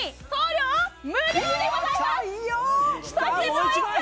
もう一枚！